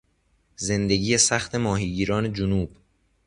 زندگی سخت ماهیگیران جنوب